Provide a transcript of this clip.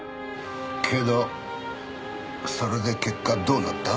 けどそれで結果どうなった？